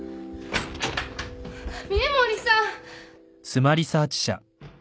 峰森さん。